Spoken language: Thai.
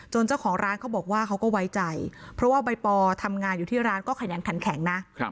เจ้าของร้านเขาบอกว่าเขาก็ไว้ใจเพราะว่าใบปอทำงานอยู่ที่ร้านก็ขยันขันแข็งนะ